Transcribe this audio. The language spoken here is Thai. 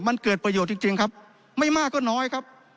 มันเกิดประโยชน์จริงครับไม่มากก็น้อยครับ